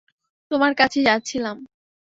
তোমার কাছেই যাচ্ছিলাম।